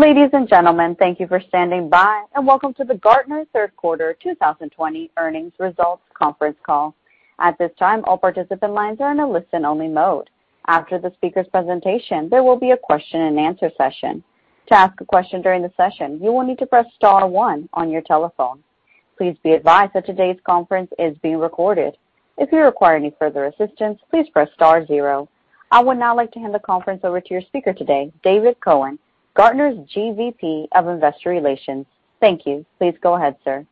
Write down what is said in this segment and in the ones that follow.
Ladies and gentlemen, thank you for standing by. Welcome to the Gartner third quarter 2020 earnings results conference call. At this time, all participant lines are in a listen-only mode. After the speaker's presentation, there will be a question-and-answer session. To ask a question during the session, you will need to press star and one on your telephone. Please be advised that today's conference is being recorded. If you require any further assistance, please press star zero. I would now like to hand the conference over to your speaker today, David Cohen, Gartner's GVP of Investor Relations. Thank you. Please go ahead, sir.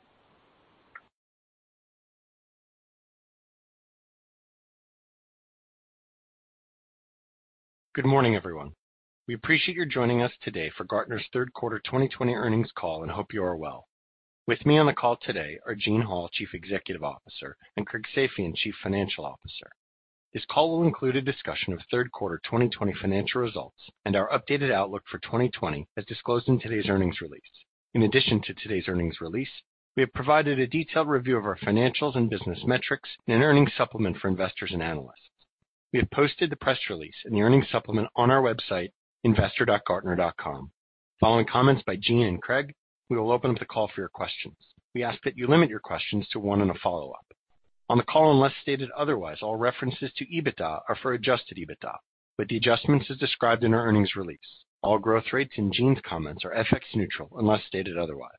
Good morning, everyone. We appreciate your joining us today for Gartner's third quarter 2020 earnings call and hope you are well. With me on the call today are Gene Hall, Chief Executive Officer, and Craig Safian, Chief Financial Officer. This call will include a discussion of third quarter 2020 financial results and our updated outlook for 2020 as disclosed in today's earnings release. In addition to today's earnings release, we have provided a detailed review of our financials and business metrics in an earnings supplement for investors and analysts. We have posted the press release and the earnings supplement on our website, investor.gartner.com. Following comments by Gene and Craig, we will open up the call for your questions. We ask that you limit your questions to one and a follow-up. On the call, unless stated otherwise, all references to EBITDA are for adjusted EBITDA, with the adjustments as described in our earnings release. All growth rates in Gene's comments are FX neutral unless stated otherwise.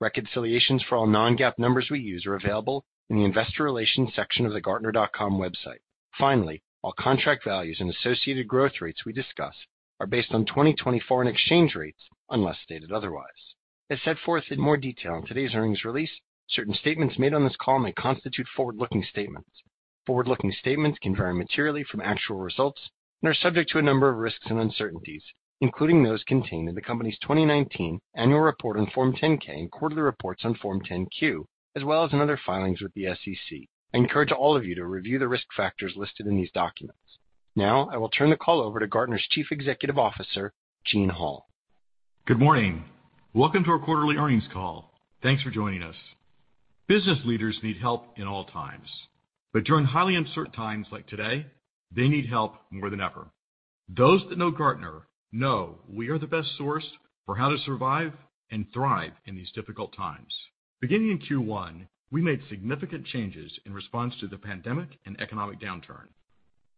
Reconciliations for all non-GAAP numbers we use are available in the investor relations section of the gartner.com website. Finally, all contract values and associated growth rates we discuss are based on 2020 foreign exchange rates unless stated otherwise. As set forth in more detail in today's earnings release, certain statements made on this call may constitute forward-looking statements. Forward-looking statements can vary materially from actual results and are subject to a number of risks and uncertainties, including those contained in the company's 2019 annual report on Form 10-K and quarterly reports on Form 10-Q, as well as in other filings with the SEC. I encourage all of you to review the risk factors listed in these documents. Now I will turn the call over to Gartner's Chief Executive Officer, Gene Hall. Good morning. Welcome to our quarterly earnings call. Thanks for joining us. Business leaders need help in all times. During highly uncertain times like today, they need help more than ever. Those that know Gartner know we are the best source for how to survive and thrive in these difficult times. Beginning in Q1, we made significant changes in response to the pandemic and economic downturn.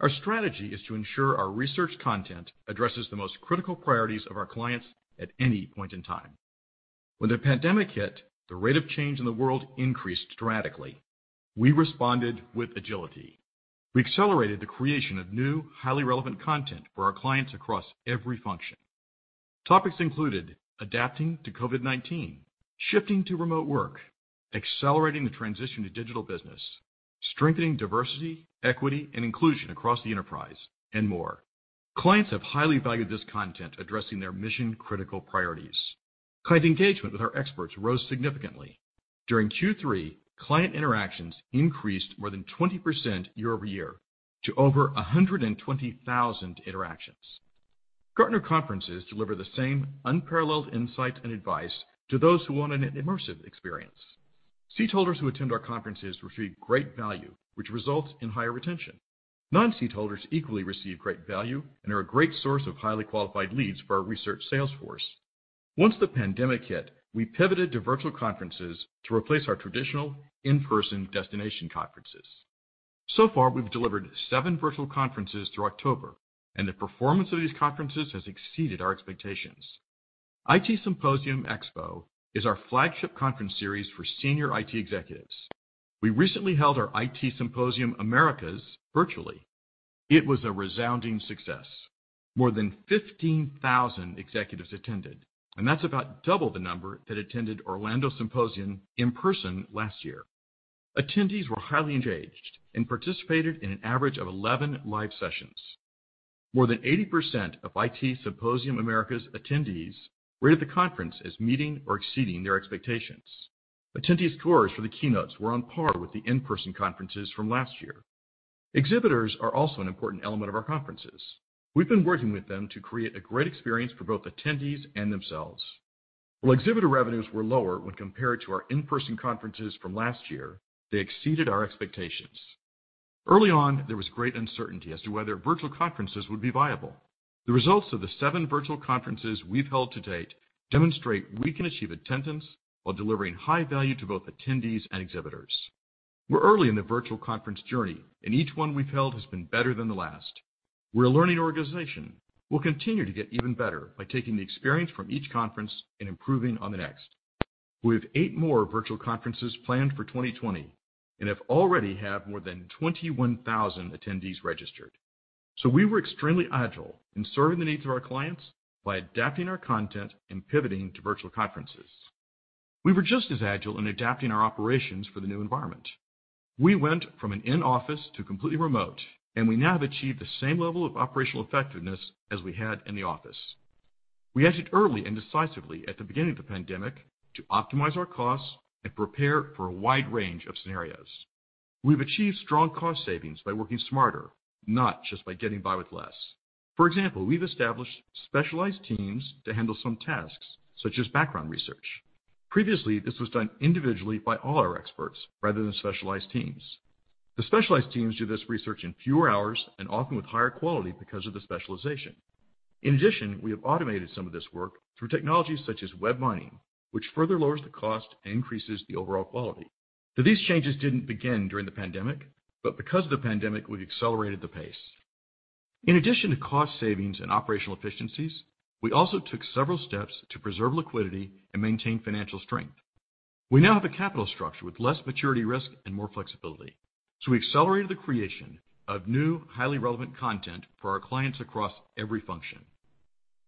Our strategy is to ensure our research content addresses the most critical priorities of our clients at any point in time. When the pandemic hit, the rate of change in the world increased dramatically. We responded with agility. We accelerated the creation of new, highly relevant content for our clients across every function. Topics included adapting to COVID-19, shifting to remote work, accelerating the transition to digital business, strengthening diversity, equity, and inclusion across the enterprise, and more. Clients have highly valued this content addressing their mission-critical priorities. Client engagement with our experts rose significantly. During Q3, client interactions increased more than 20% year-over-year to over 120,000 interactions. Gartner conferences deliver the same unparalleled insight and advice to those who want an immersive experience. Seat holders who attend our conferences receive great value, which results in higher retention. Non-seat holders equally receive great value and are a great source of highly qualified leads for our research sales force. Once the pandemic hit, we pivoted to virtual conferences to replace our traditional in-person destination conferences. So far, we've delivered seven virtual conferences through October, and the performance of these conferences has exceeded our expectations. IT Symposium/Xpo is our flagship conference series for senior IT executives. We recently held our IT Symposium Americas virtually. It was a resounding success. More than 15,000 executives attended, and that's about double the number that attended Orlando Symposium in person last year. Attendees were highly engaged and participated in an average of 11 live sessions. More than 80% of IT Symposium Americas attendees rated the conference as meeting or exceeding their expectations. Attendee scores for the keynotes were on par with the in-person conferences from last year. Exhibitors are also an important element of our conferences. We've been working with them to create a great experience for both attendees and themselves. While exhibitor revenues were lower when compared to our in-person conferences from last year, they exceeded our expectations. Early on, there was great uncertainty as to whether virtual conferences would be viable. The results of the seven virtual conferences we've held to date demonstrate we can achieve attendance while delivering high value to both attendees and exhibitors. We're early in the virtual conference journey, and each one we've held has been better than the last. We're a learning organization. We'll continue to get even better by taking the experience from each conference and improving on the next. We have eight more virtual conferences planned for 2020 and have already had more than 21,000 attendees registered. We were extremely agile in serving the needs of our clients by adapting our content and pivoting to virtual conferences. We were just as agile in adapting our operations for the new environment. We went from an in-office to completely remote, and we now have achieved the same level of operational effectiveness as we had in the office. We acted early and decisively at the beginning of the pandemic to optimize our costs and prepare for a wide range of scenarios. We've achieved strong cost savings by working smarter, not just by getting by with less. For example, we've established specialized teams to handle some tasks, such as background research. Previously, this was done individually by all our experts rather than specialized teams. The specialized teams do this research in fewer hours and often with higher quality because of the specialization. In addition, we have automated some of this work through technologies such as web mining, which further lowers the cost and increases the overall quality. These changes didn't begin during the pandemic, but because of the pandemic, we've accelerated the pace. In addition to cost savings and operational efficiencies, we also took several steps to preserve liquidity and maintain financial strength. We now have a capital structure with less maturity risk and more flexibility. We accelerated the creation of new, highly relevant content for our clients across every function.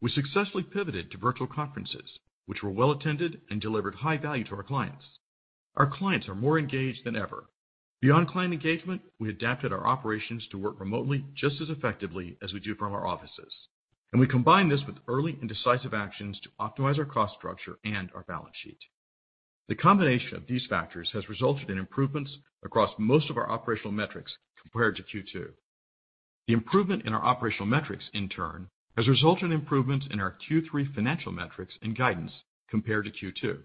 We successfully pivoted to virtual conferences, which were well-attended and delivered high value to our clients. Our clients are more engaged than ever. Beyond client engagement, we adapted our operations to work remotely just as effectively as we do from our offices. We combine this with early and decisive actions to optimize our cost structure and our balance sheet. The combination of these factors has resulted in improvements across most of our operational metrics compared to Q2. The improvement in our operational metrics, in turn, has resulted in improvements in our Q3 financial metrics and guidance compared to Q2.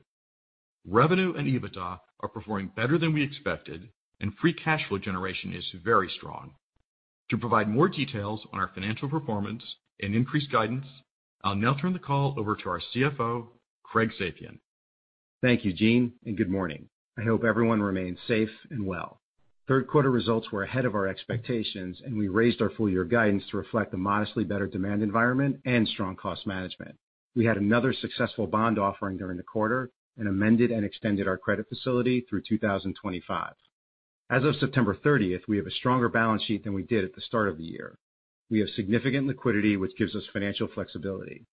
Revenue and EBITDA are performing better than we expected, and free cash flow generation is very strong. To provide more details on our financial performance and increased guidance, I'll now turn the call over to our CFO, Craig Safian. Thank you, Gene. Good morning. I hope everyone remains safe and well. Third quarter results were ahead of our expectations. We raised our full year guidance to reflect the modestly better demand environment and strong cost management. We had another successful bond offering during the quarter and amended and extended our credit facility through 2025. As of September 30th, we have a stronger balance sheet than we did at the start of the year. We have significant liquidity, which gives us financial flexibility.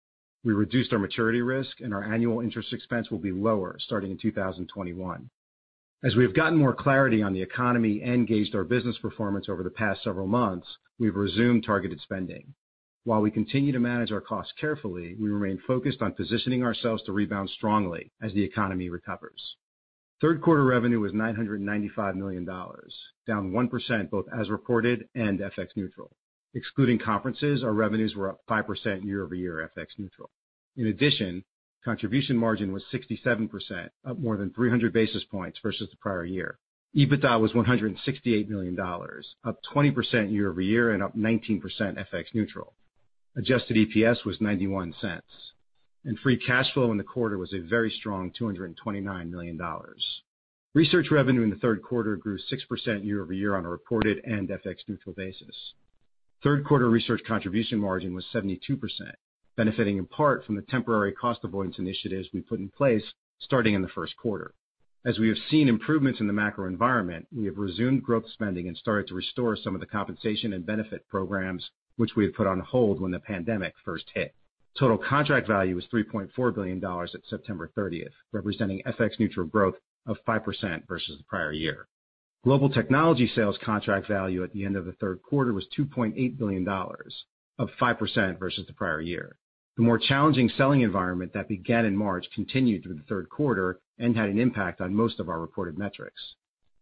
We reduced our maturity risk. Our annual interest expense will be lower starting in 2021. As we have gotten more clarity on the economy and gauged our business performance over the past several months, we've resumed targeted spending. While we continue to manage our costs carefully, we remain focused on positioning ourselves to rebound strongly as the economy recovers. Third quarter revenue was $995 million, down 1% both as reported and FX neutral. Excluding conferences, our revenues were up 5% year-over-year FX neutral. Contribution margin was 67%, up more than 300 basis points versus the prior year. EBITDA was $168 million, up 20% year-over-year and up 19% FX neutral. Adjusted EPS was $0.91. Free cash flow in the quarter was a very strong $229 million. Research revenue in the third quarter grew 6% year-over-year on a reported and FX neutral basis. Third quarter research contribution margin was 72%, benefiting in part from the temporary cost avoidance initiatives we put in place starting in the first quarter. As we have seen improvements in the macro environment, we have resumed growth spending and started to restore some of the compensation and benefit programs which we have put on hold when the pandemic first hit. Total contract value was $3.4 billion at September 30th, representing FX neutral growth of 5% versus the prior year. Global Technology Sales contract value at the end of the third quarter was $2.8 billion, up 5% versus the prior year. The more challenging selling environment that began in March continued through the third quarter and had an impact on most of our reported metrics.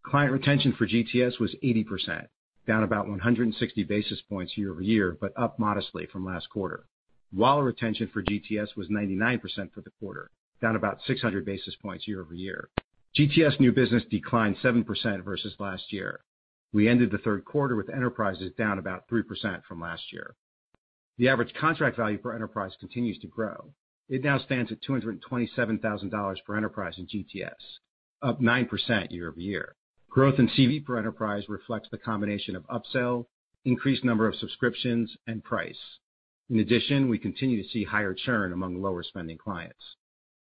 Client retention for GTS was 80%, down about 160 basis points year-over-year, but up modestly from last quarter. Wallet retention for GTS was 99% for the quarter, down about 600 basis points year-over-year. GTS new business declined 7% versus last year. We ended the third quarter with enterprises down about 3% from last year. The average contract value for enterprise continues to grow. It now stands at $227,000 per enterprise in GTS, up 9% year-over-year. Growth in CV per enterprise reflects the combination of upsell, increased number of subscriptions, and price. In addition, we continue to see higher churn among lower-spending clients.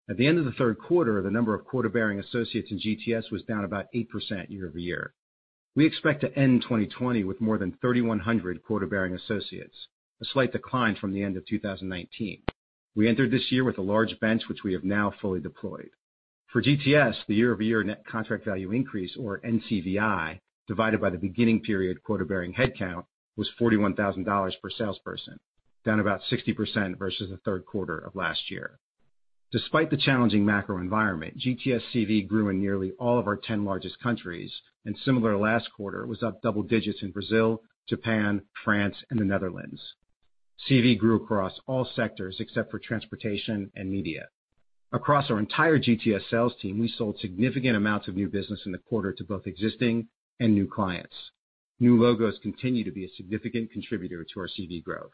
At the end of the third quarter, the number of quota-bearing associates in GTS was down about 8% year-over-year. We expect to end 2020 with more than 3,100 quota-bearing associates, a slight decline from the end of 2019. We entered this year with a large bench, which we have now fully deployed. For GTS, the year-over-year net contract value increase or NCVI, divided by the beginning period quota-bearing headcount was $41,000 per salesperson, down about 60% versus the third quarter of last year. Despite the challenging macro environment, GTS CV grew in nearly all of our 10 largest countries, and similar last quarter was up double digits in Brazil, Japan, France, and the Netherlands. CV grew across all sectors except for transportation and media. Across our entire GTS sales team, we sold significant amounts of new business in the quarter to both existing and new clients. New logos continue to be a significant contributor to our CV growth.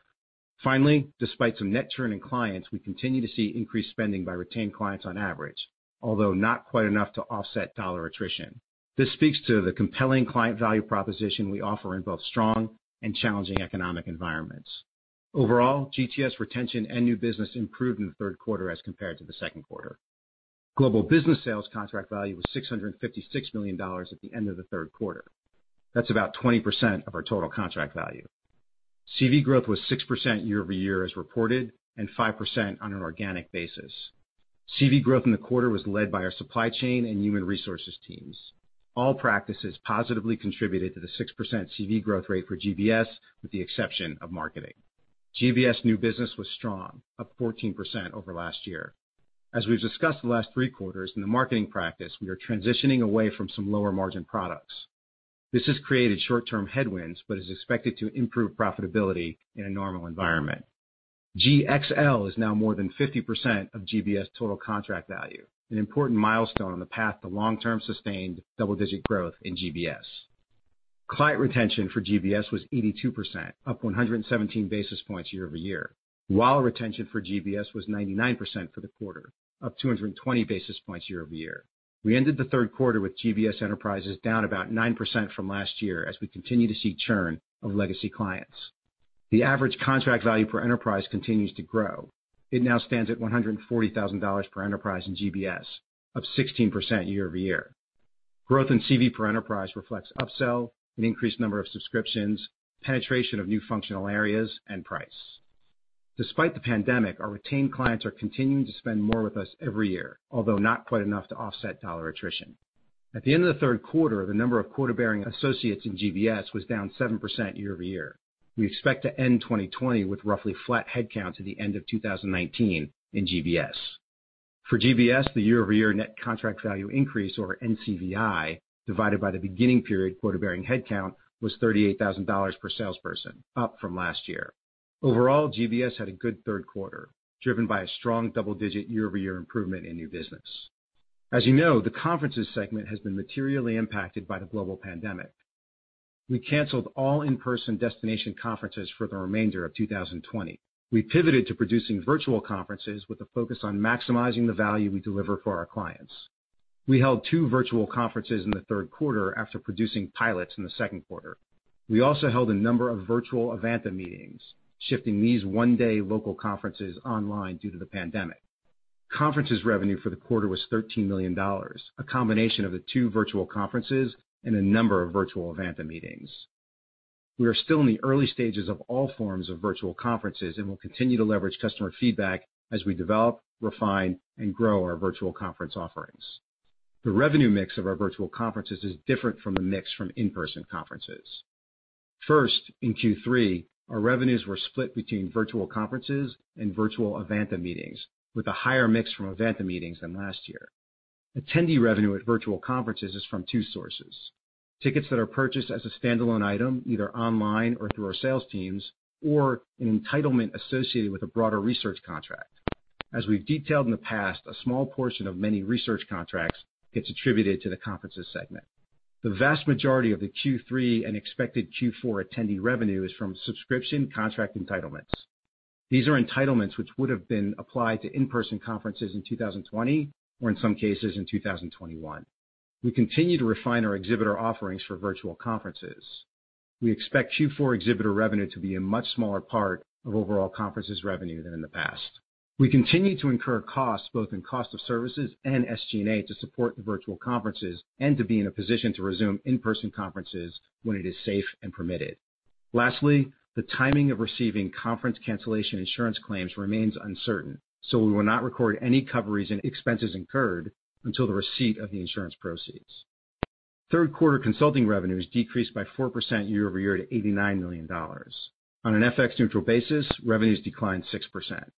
Finally, despite some net churn in clients, we continue to see increased spending by retained clients on average, although not quite enough to offset dollar attrition. This speaks to the compelling client value proposition we offer in both strong and challenging economic environments. Overall, GTS retention and new business improved in the third quarter as compared to the second quarter. Global Business Sales contract value was $656 million at the end of the third quarter. That's about 20% of our total contract value. CV growth was 6% year-over-year as reported and 5% on an organic basis. CV growth in the quarter was led by our supply chain and human resources teams. All practices positively contributed to the 6% CV growth rate for GBS, with the exception of marketing. GBS new business was strong, up 14% over last year. As we've discussed the last three quarters, in the marketing practice, we are transitioning away from some lower-margin products. This has created short-term headwinds, but is expected to improve profitability in a normal environment. GXL is now more than 50% of GBS total contract value, an important milestone on the path to long-term sustained double-digit growth in GBS. Client retention for GBS was 82%, up 117 basis points year-over-year, wallet retention for GBS was 99% for the quarter, up 220 basis points year-over-year. We ended the third quarter with GBS enterprises down about 9% from last year as we continue to see churn of legacy clients. The average contract value per enterprise continues to grow. It now stands at $140,000 per enterprise in GBS, up 16% year-over-year. Growth in CV per enterprise reflects upsell, an increased number of subscriptions, penetration of new functional areas, and price. Despite the pandemic, our retained clients are continuing to spend more with us every year, although not quite enough to offset dollar attrition. At the end of the third quarter, the number of quota-bearing associates in GBS was down 7% year-over-year. We expect to end 2020 with roughly flat headcounts at the end of 2019 in GBS. For GBS, the year-over-year net contract value increase or NCVI, divided by the beginning period quota-bearing headcount was $38,000 per salesperson, up from last year. Overall, GBS had a good third quarter, driven by a strong double-digit year-over-year improvement in new business. As you know, the conferences segment has been materially impacted by the global pandemic. We canceled all in-person destination conferences for the remainder of 2020. We pivoted to producing virtual conferences with a focus on maximizing the value we deliver for our clients. We held two virtual conferences in the third quarter after producing pilots in the second quarter. We also held a number of virtual Evanta meetings, shifting these one-day local conferences online due to the pandemic. Conferences revenue for the quarter was $13 million, a combination of the two virtual conferences and a number of virtual Evanta meetings. We are still in the early stages of all forms of virtual conferences and will continue to leverage customer feedback as we develop, refine, and grow our virtual conference offerings. The revenue mix of our virtual conferences is different from the mix from in-person conferences. First, in Q3, our revenues were split between virtual conferences and virtual Evanta meetings, with a higher mix from Evanta meetings than last year. Attendee revenue at virtual conferences is from two sources. Tickets that are purchased as a standalone item, either online or through our sales teams, or an entitlement associated with a broader research contract. As we've detailed in the past, a small portion of many research contracts gets attributed to the conferences segment. The vast majority of the Q3 and expected Q4 attendee revenue is from subscription contract entitlements. These are entitlements which would have been applied to in-person conferences in 2020, or in some cases, in 2021. We continue to refine our exhibitor offerings for virtual conferences. We expect Q4 exhibitor revenue to be a much smaller part of overall conferences revenue than in the past. We continue to incur costs, both in cost of services and SG&A, to support the virtual conferences and to be in a position to resume in-person conferences when it is safe and permitted. The timing of receiving conference cancellation insurance claims remains uncertain. We will not record any coverages and expenses incurred until the receipt of the insurance proceeds. Third quarter consulting revenues decreased by 4% year-over-year to $89 million. On an FX neutral basis, revenues declined 6%.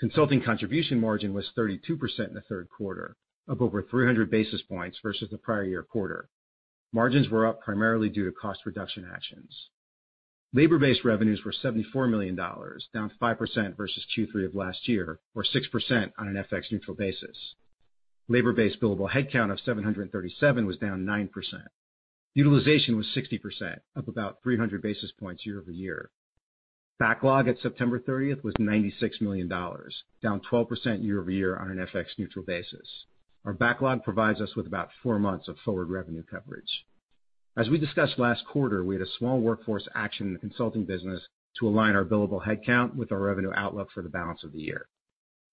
Consulting contribution margin was 32% in the third quarter, up over 300 basis points versus the prior year quarter. Margins were up primarily due to cost reduction actions. Labor-based revenues were $74 million, down 5% versus Q3 of last year, or 6% on an FX neutral basis. Labor-based billable headcount of 737 was down 9%. Utilization was 60%, up about 300 basis points year-over-year. Backlog at September 30th was $96 million, down 12% year-over-year on an FX neutral basis. Our backlog provides us with about four months of forward revenue coverage. As we discussed last quarter, we had a small workforce action in the consulting business to align our billable headcount with our revenue outlook for the balance of the year.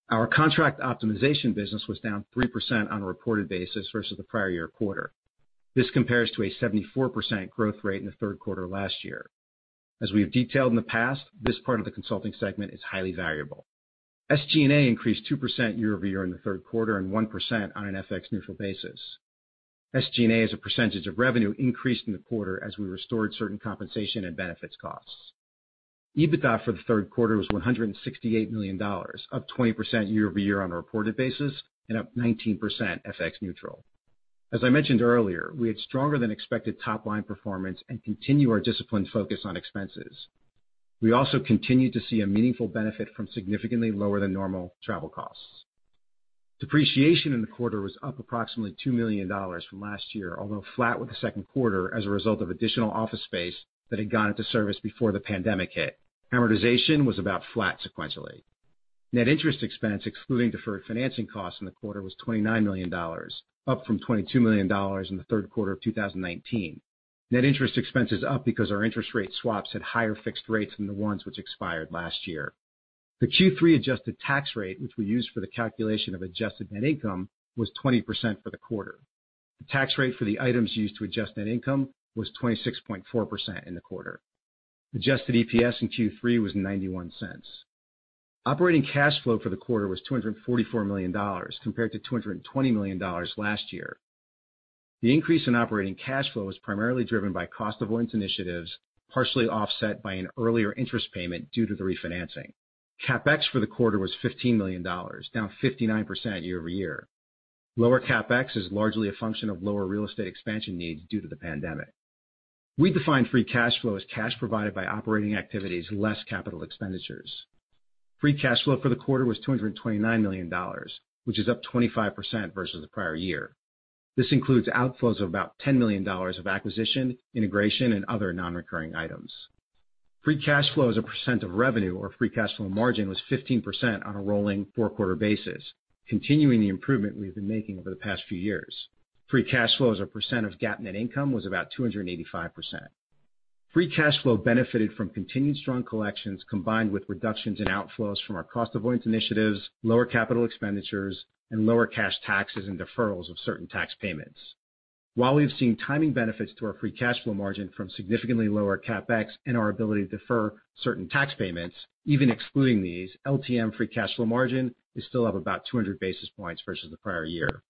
Our contract optimization business was down 3% on a reported basis versus the prior year quarter. This compares to a 74% growth rate in the third quarter last year. As we have detailed in the past, this part of the consulting segment is highly valuable. SG&A increased 2% year-over-year in the third quarter and 1% on an FX neutral basis. SG&A, as a percentage of revenue, increased in the quarter as we restored certain compensation and benefits costs. EBITDA for the third quarter was $168 million, up 20% year-over-year on a reported basis and up 19% FX neutral. As I mentioned earlier, we had stronger than expected top-line performance and continue our disciplined focus on expenses. We also continue to see a meaningful benefit from significantly lower than normal travel costs. Depreciation in the quarter was up approximately $2 million from last year, although flat with the second quarter as a result of additional office space that had gone into service before the pandemic hit. Amortization was about flat sequentially. Net interest expense, excluding deferred financing costs in the quarter, was $29 million, up from $22 million in the third quarter of 2019. Net interest expense is up because our interest rate swaps had higher fixed rates than the ones which expired last year. The Q3 adjusted tax rate, which we use for the calculation of adjusted net income, was 20% for the quarter. The tax rate for the items used to adjust net income was 26.4% in the quarter. Adjusted EPS in Q3 was $0.91. Operating cash flow for the quarter was $244 million compared to $220 million last year. The increase in operating cash flow was primarily driven by cost avoidance initiatives, partially offset by an earlier interest payment due to the refinancing. CapEx for the quarter was $15 million, down 59% year-over-year. Lower CapEx is largely a function of lower real estate expansion needs due to the pandemic. We define free cash flow as cash provided by operating activities less capital expenditures. Free cash flow for the quarter was $229 million, which is up 25% versus the prior year. This includes outflows of about $10 million of acquisition, integration, and other non-recurring items. Free cash flow as a percent of revenue or free cash flow margin was 15% on a rolling four-quarter basis, continuing the improvement we've been making over the past few years. Free cash flow as a percent of GAAP net income was about 285%. Free cash flow benefited from continued strong collections combined with reductions in outflows from our cost avoidance initiatives, lower capital expenditures, and lower cash taxes and deferrals of certain tax payments. While we've seen timing benefits to our free cash flow margin from significantly lower CapEx and our ability to defer certain tax payments, even excluding these, LTM free cash flow margin is still up about 200 basis points versus the prior year.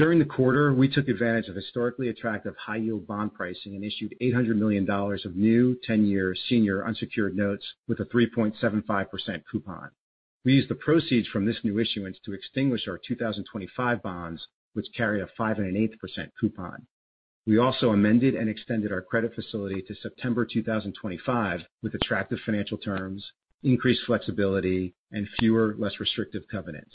During the quarter, we took advantage of historically attractive high-yield bond pricing and issued $800 million of new 10-year senior unsecured notes with a 3.75% coupon. We used the proceeds from this new issuance to extinguish our 2025 bonds, which carry a five and an eighth percent coupon. We also amended and extended our credit facility to September 2025 with attractive financial terms, increased flexibility, and fewer less restrictive covenants.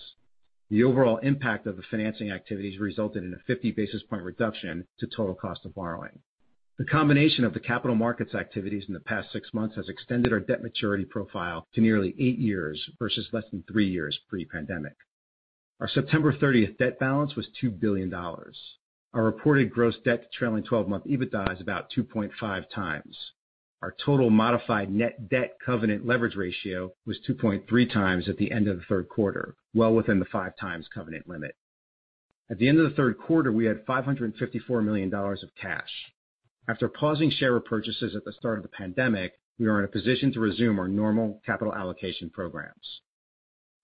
The overall impact of the financing activities resulted in a 50 basis point reduction to total cost of borrowing. The combination of the capital markets activities in the past six months has extended our debt maturity profile to nearly eight years versus less than three years pre-pandemic. Our September 30th debt balance was $2 billion. Our reported gross debt to trailing 12-month EBITDA is about 2.5x. Our total modified net debt covenant leverage ratio was 2.3x at the end of the third quarter, well within the 5x covenant limit. At the end of the third quarter, we had $554 million of cash. After pausing share repurchases at the start of the pandemic, we are in a position to resume our normal capital allocation programs.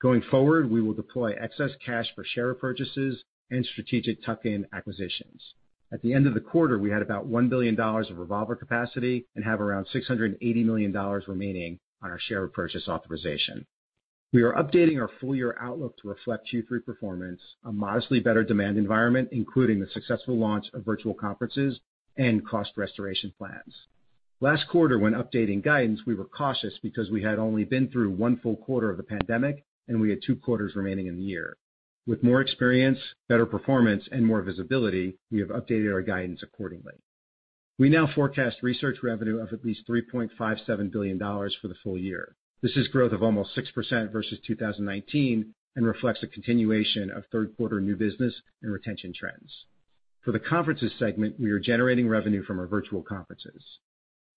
Going forward, we will deploy excess cash for share repurchases and strategic tuck-in acquisitions. At the end of the quarter, we had about $1 billion of revolver capacity and have around $680 million remaining on our share repurchase authorization. We are updating our full-year outlook to reflect Q3 performance, a modestly better demand environment, including the successful launch of virtual conferences and cost restoration plans. Last quarter, when updating guidance, we were cautious because we had only been through one full quarter of the pandemic, and we had two quarters remaining in the year. With more experience, better performance, and more visibility, we have updated our guidance accordingly. We now forecast research revenue of at least $3.57 billion for the full year. This is growth of almost 6% versus 2019 and reflects a continuation of third quarter new business and retention trends. For the conferences segment, we are generating revenue from our virtual conferences.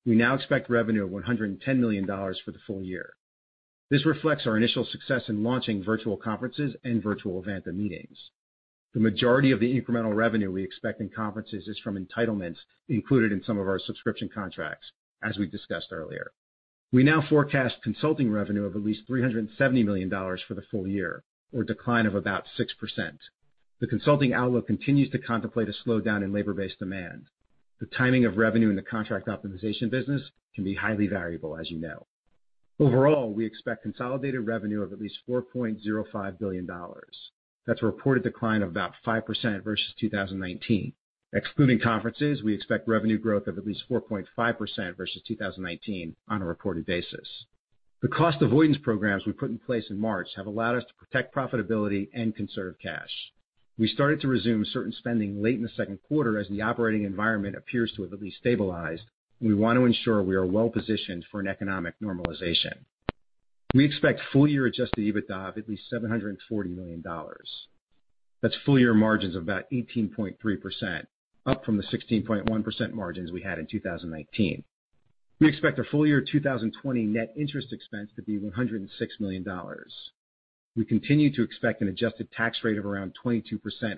We now expect revenue of $110 million for the full year. This reflects our initial success in launching virtual conferences and virtual Evanta meetings. The majority of the incremental revenue we expect in conferences is from entitlements included in some of our subscription contracts, as we discussed earlier. We now forecast consulting revenue of at least $370 million for the full year, or a decline of about 6%. The consulting outlook continues to contemplate a slowdown in labor-based demand. The timing of revenue in the contract optimization business can be highly variable, as you know. Overall, we expect consolidated revenue of at least $4.05 billion. That's a reported decline of about 5% versus 2019. Excluding conferences, we expect revenue growth of at least 4.5% versus 2019 on a reported basis. The cost avoidance programs we put in place in March have allowed us to protect profitability and conserve cash. We started to resume certain spending late in the second quarter as the operating environment appears to have at least stabilized. We want to ensure we are well-positioned for an economic normalization. We expect full-year adjusted EBITDA of at least $740 million. That's full-year margins of about 18.3%, up from the 16.1% margins we had in 2019. We expect our full-year 2020 net interest expense to be $106 million. We continue to expect an adjusted tax rate of around 22%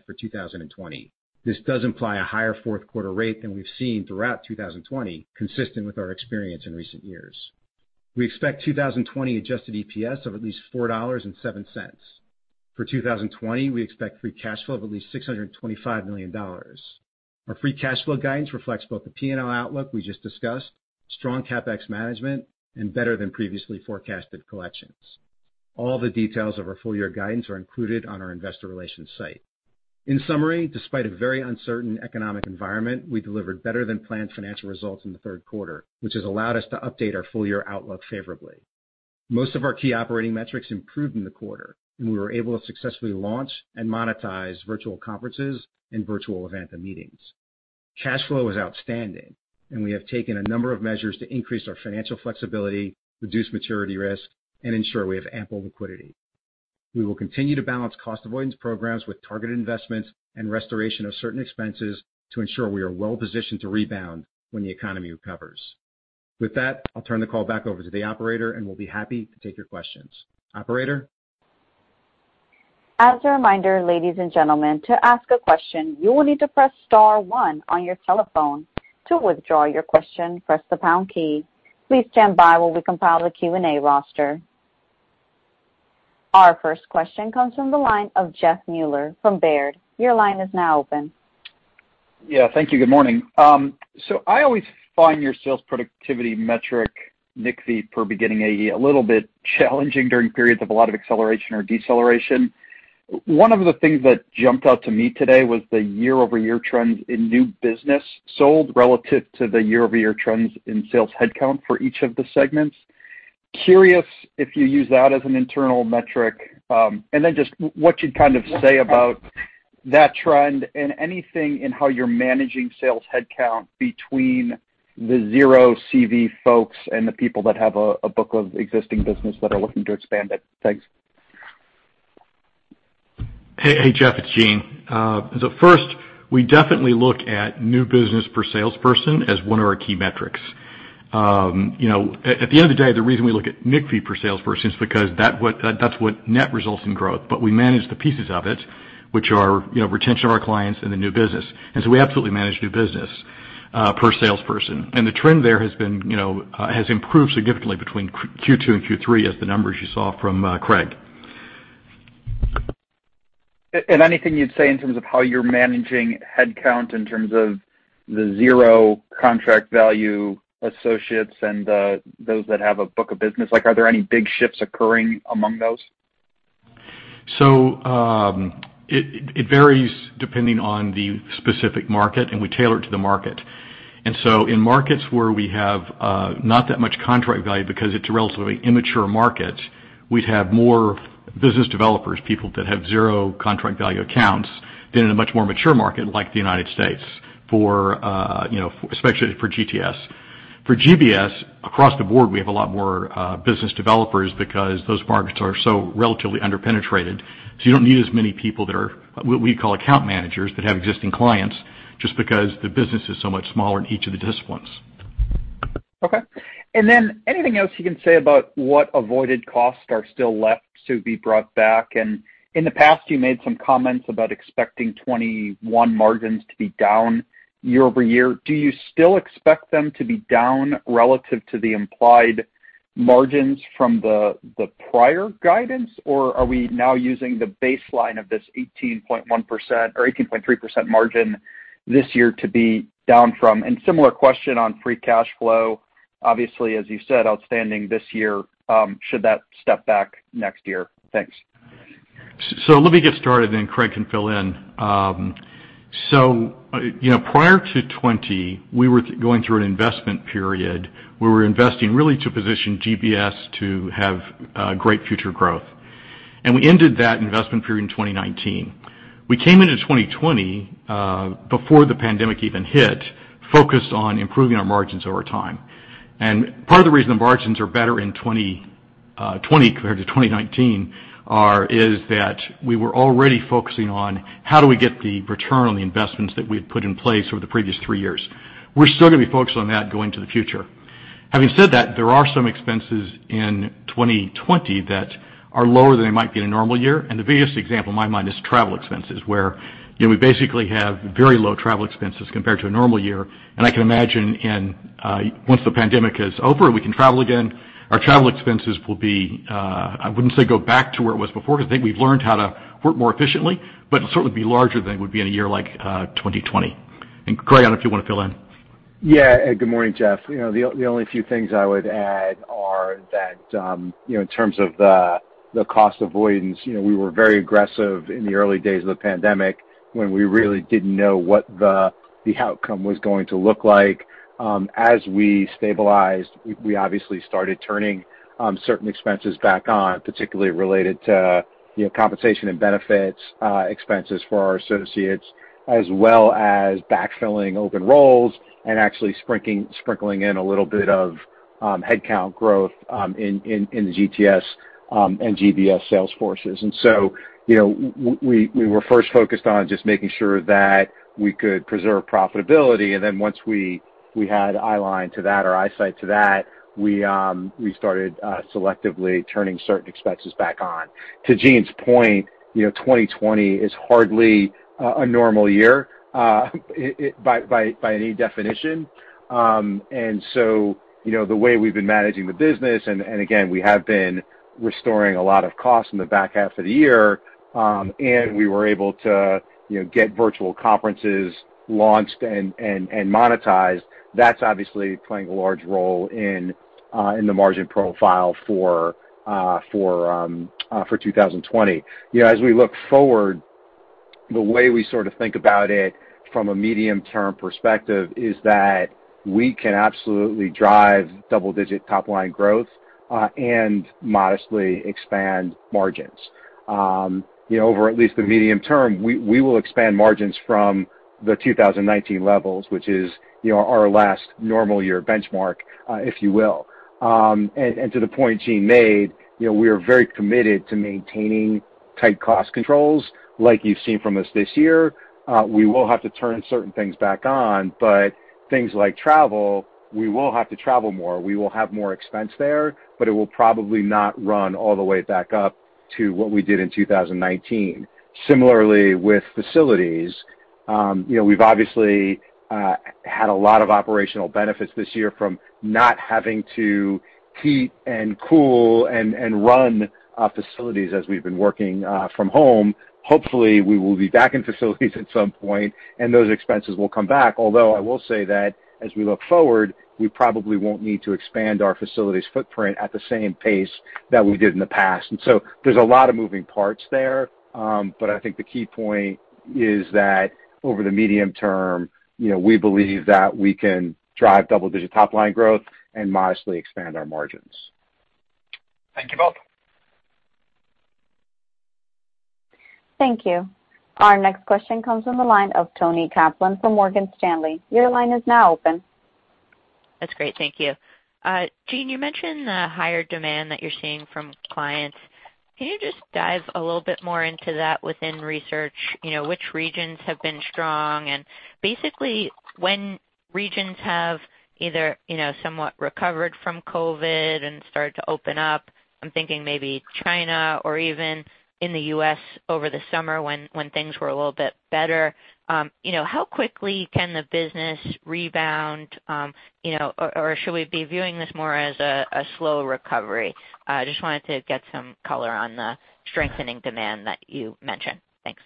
for 2020. This does imply a higher fourth quarter rate than we've seen throughout 2020, consistent with our experience in recent years. We expect 2020 adjusted EPS of at least $4.07. For 2020, we expect free cash flow of at least $625 million. Our free cash flow guidance reflects both the P&L outlook we just discussed, strong CapEx management, and better than previously forecasted collections. All the details of our full year guidance are included on our investor relations site. In summary, despite a very uncertain economic environment, we delivered better than planned financial results in the third quarter, which has allowed us to update our full-year outlook favorably. Most of our key operating metrics improved in the quarter, and we were able to successfully launch and monetize virtual conferences and virtual event and meetings. Cash flow is outstanding, and we have taken a number of measures to increase our financial flexibility, reduce maturity risk, and ensure we have ample liquidity. We will continue to balance cost avoidance programs with targeted investments and restoration of certain expenses to ensure we are well-positioned to rebound when the economy recovers. With that, I'll turn the call back over to the operator, and we'll be happy to take your questions. Operator? As a reminder, ladies and gentlemen, to ask a question, you will need to press star one on your telephone. To withdraw your question, press the pound key. Please stand by while we compile the Q&A roster. Our first question comes from the line of Jeff Meuler from Baird. Your line is now open. Yeah. Thank you. Good morning. I always find your sales productivity metric, NCVI per beginning AE, a little bit challenging during periods of a lot of acceleration or deceleration. One of the things that jumped out to me today was the year-over-year trends in new business sold relative to the year-over-year trends in sales headcount for each of the segments. Curious if you use that as an internal metric, just what you'd kind of say about that trend and anything in how you're managing sales headcount between the zero CV folks and the people that have a book of existing business that are looking to expand it. Thanks. Hey, Jeff, it's Gene. First, we definitely look at new business per salesperson as one of our key metrics. You know, at the end of the day, the reason we look at NCVI per salesperson is because that's what net results in growth. We manage the pieces of it, which are, you know, retention of our clients and the new business. We absolutely manage new business per salesperson. The trend there has been, you know, has improved significantly between Q2 and Q3 as the numbers you saw from Craig. Anything you'd say in terms of how you're managing headcount in terms of the zero contract value associates and those that have a book of business? Like, are there any big shifts occurring among those? It varies depending on the specific market, and we tailor it to the market. In markets where we have not that much contract value because it's a relatively immature market, we'd have more business developers, people that have zero contract value accounts than in a much more mature market like the United States for, you know, especially for GTS. For GBS, across the board, we have a lot more business developers because those markets are so relatively under-penetrated, so you don't need as many people that are what we call account managers that have existing clients just because the business is so much smaller in each of the disciplines. Okay. Anything else you can say about what avoided costs are still left to be brought back? In the past, you made some comments about expecting 2021 margins to be down year-over-year. Do you still expect them to be down relative to the implied margins from the prior guidance, or are we now using the baseline of this 18.1% or 18.3% margin this year to be down from? Similar question on free cash flow. Obviously, as you said, outstanding this year, should that step back next year? Thanks. Let me get started, Craig can fill in. You know, prior to 2020, we were going through an investment period where we were investing really to position GBS to have great future growth, we ended that investment period in 2019. We came into 2020, before the pandemic even hit, focused on improving our margins over time. Part of the reason the margins are better in 2020 compared to 2019 are is that we were already focusing on how do we get the return on the investments that we've put in place over the previous three years. We're still gonna be focused on that going to the future. Having said that, there are some expenses in 2020 that are lower than they might be in a normal year, and the biggest example in my mind is travel expenses, where, you know, we basically have very low travel expenses compared to a normal year. I can imagine in once the pandemic is over and we can travel again, our travel expenses will be, I wouldn't say go back to where it was before because I think we've learned how to work more efficiently, but it'll certainly be larger than it would be in a year like 2020. Craig, I don't know if you wanna fill in. Yeah. Good morning, Jeff. You know, the only few things I would add are that, you know, in terms of the cost avoidance, you know, we were very aggressive in the early days of the pandemic when we really didn't know what the outcome was going to look like. As we stabilized, we obviously started turning certain expenses back on, particularly related to, you know, compensation and benefits expenses for our associates, as well as backfilling open roles and actually sprinkling in a little bit of headcount growth in the GTS and GBS sales forces. You know, we were first focused on just making sure that we could preserve profitability. Once we had eye line to that or eyesight to that, we started selectively turning certain expenses back on. To Gene's point, you know, 2020 is hardly a normal year, it by any definition. The way we've been managing the business and again, we have been restoring a lot of costs in the back half of the year, and we were able to, you know, get virtual conferences launched and monetized. That's obviously playing a large role in the margin profile for 2020. You know, as we look forward, the way we sort of think about it from a medium-term perspective is that we can absolutely drive double-digit top-line growth and modestly expand margins. You know, over at least the medium term, we will expand margins from the 2019 levels, which is, you know, our last normal year benchmark, if you will. To the point Gene made, you know, we are very committed to maintaining tight cost controls like you've seen from us this year. We will have to turn certain things back on, things like travel, we will have to travel more. We will have more expense there, it will probably not run all the way back up to what we did in 2019. Similarly, with facilities, you know, we've obviously had a lot of operational benefits this year from not having to heat and cool and run facilities as we've been working from home. Hopefully, we will be back in facilities at some point, and those expenses will come back. I will say that as we look forward, we probably won't need to expand our facilities footprint at the same pace that we did in the past. There's a lot of moving parts there. I think the key point is that over the medium term, you know, we believe that we can drive double-digit top-line growth and modestly expand our margins. Thank you both. Thank you. Our next question comes from the line of Toni Kaplan from Morgan Stanley. Your line is now open. That's great. Thank you. Gene, you mentioned the higher demand that you're seeing from clients. Can you just dive a little bit more into that within research? You know, which regions have been strong? Basically, when regions have either, you know, somewhat recovered from COVID and started to open up, I'm thinking maybe China or even in the U.S. over the summer when things were a little bit better, you know, how quickly can the business rebound? You know, or should we be viewing this more as a slow recovery? Just wanted to get some color on the strengthening demand that you mentioned. Thanks.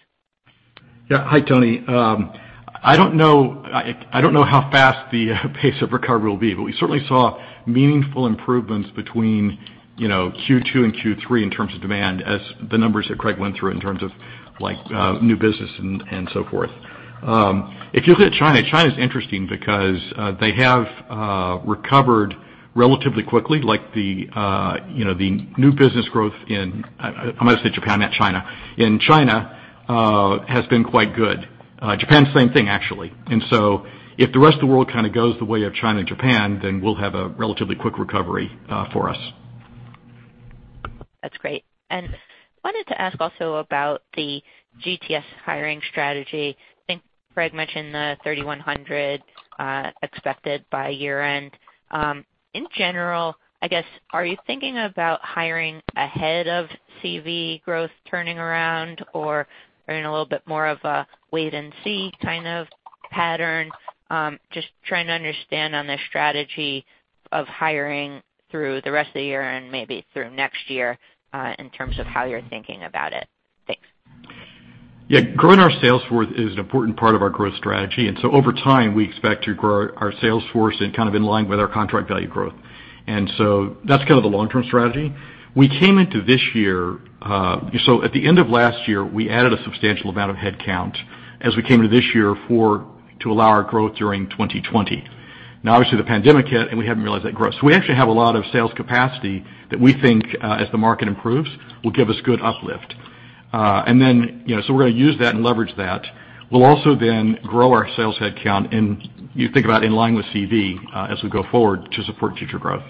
Hi, Toni. I don't know how fast the pace of recovery will be, but we certainly saw meaningful improvements between, you know, Q2 and Q3 in terms of demand as the numbers that Craig went through in terms of like new business and so forth. If you look at China's interesting because they have recovered relatively quickly, like, you know, the new business growth in I'm gonna say Japan, not China. In China has been quite good. Japan, same thing, actually. If the rest of the world kinda goes the way of China and Japan, then we'll have a relatively quick recovery for us. That's great. Wanted to ask also about the GTS hiring strategy. I think Craig mentioned the 3,100 expected by year-end. In general, I guess, are you thinking about hiring ahead of CV growth turning around, or are you in a little bit more of a wait-and-see kind of pattern? Just trying to understand on the strategy of hiring through the rest of the year and maybe through next year in terms of how you're thinking about it. Thanks. Yeah. Growing our sales force is an important part of our growth strategy. Over time, we expect to grow our sales force and kind of in line with our contract value growth. That's kind of the long-term strategy. We came into this year. At the end of last year, we added a substantial amount of headcount as we came to this year to allow our growth during 2020. Now, obviously, the pandemic hit, and we haven't realized that growth. We actually have a lot of sales capacity that we think, as the market improves, will give us good uplift. And then, you know, we're gonna use that and leverage that. We'll also grow our sales headcount in, you think about in line with CV, as we go forward to support future growth.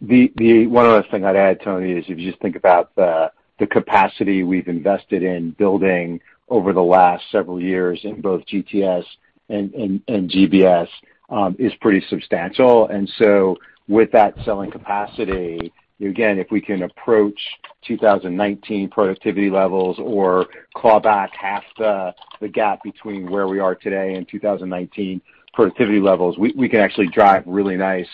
The one other thing I'd add, Toni, is if you just think about the capacity we've invested in building over the last several years in both GTS and GBS, is pretty substantial. With that selling capacity, again, if we can approach 2019 productivity levels or claw back half the gap between where we are today and 2019 productivity levels, we can actually drive really nice